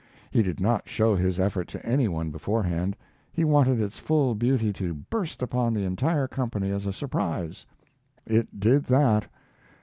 He did not show his effort to any one beforehand. He wanted its full beauty to burst upon the entire company as a surprise. It did that.